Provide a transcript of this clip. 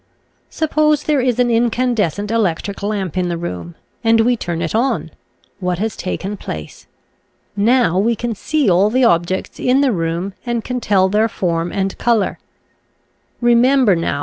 Suppose there is an incandes cent electric lamp in the room and we turn it on, what has taken place? Now we can see all the objects in the room and can tell their form and color. Remember now what we , i